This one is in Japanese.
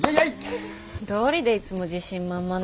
どうりでいつも自信満々なわけね。